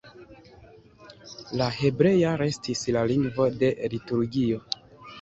La hebrea restis la lingvo de liturgio.